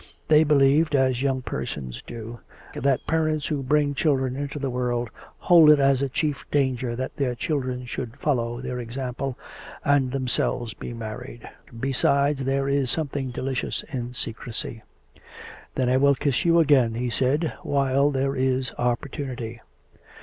They believed, as young persons do, that parents who bring children into the world, hold it as a chief danger that these children should follow their example, and themselves be married. Besides, there is something delicious in secrecy. " Then I will kiss you again," he said, " while there is opportunity."